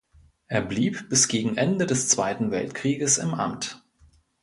Er blieb bis gegen Ende des Zweiten Weltkrieges im Amt.